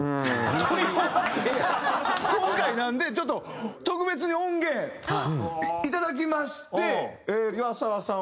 今回なのでちょっと特別に音源いただきまして岩沢さん